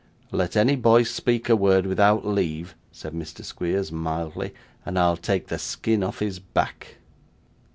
'Let any boy speak a word without leave,' said Mr. Squeers mildly, 'and I'll take the skin off his back.